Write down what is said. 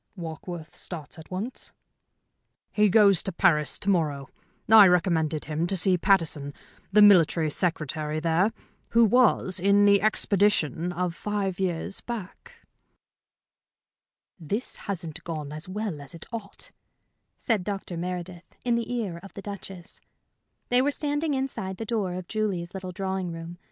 "Warkworth starts at once?" "He goes to Paris to morrow. I recommended him to see Pattison, the Military Secretary there, who was in the expedition of five years back." "This hasn't gone as well as it ought," said Dr. Meredith, in the ear of the Duchess. They were standing inside the door of Julie's little drawing room.